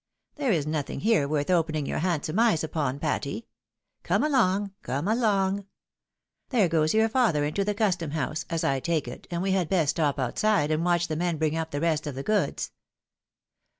There is nothing here worth opening your handsome eyes upon, Patty. Come along, come along ! There goes your father into the Custom house, as I take it, and we had best stop outside and watch the men bring up the rest of the goods.